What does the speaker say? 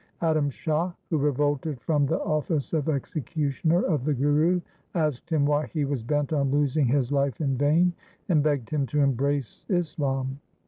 Adam Shah, who revolted from the office of executioner of the Guru, asked him why he was bent on losing his life in vain, and begged him to embrace Islam.